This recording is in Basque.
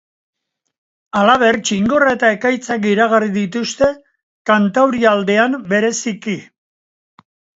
Halaber, txingorra eta ekaitzak iragarri dituzte, kantaurialdean bereziki.